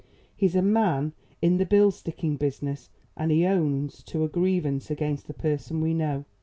He's a man in the bill sticking business and he owns to a grievance against the person we know.